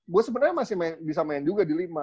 gue sebenarnya masih bisa main juga di lima